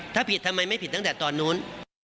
ถ้าผิดทำไมไม่ผิดตั้งแต่ตอนนู้น